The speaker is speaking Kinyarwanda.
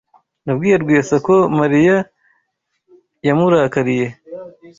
Nabwiye Rwesa ko Mariya yamurakariye.